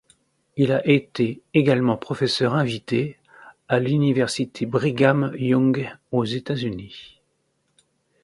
Il a été également professeur invité à l'université Brigham Young aux États-Unis.